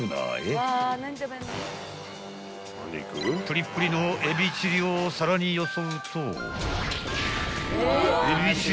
［プリップリの海老チリを皿によそうと］